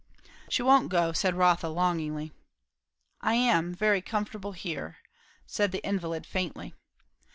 "She won't go," said Rotha longingly. "I am, very comfortable here," said the invalid faintly.